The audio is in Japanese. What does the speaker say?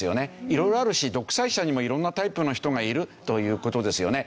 色々あるし独裁者にも色んなタイプの人がいるという事ですよね。